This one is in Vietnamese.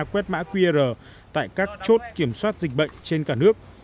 quét mã qr tại các chốt kiểm soát dịch bệnh trên cả nước